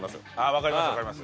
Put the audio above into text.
分かります分かります。